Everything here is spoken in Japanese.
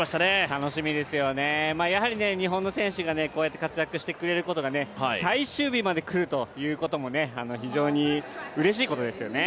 楽しみですよね、やはり日本の選手がこうやって活躍してくれることが最終日までくると、非常にうれしいことですよね。